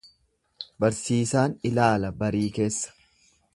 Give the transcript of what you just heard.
Barsiisaan ilaala barii keessa.